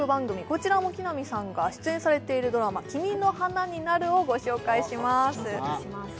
こちらも木南さんが出演されているドラマ「君の花になる」をご紹介しますお願いします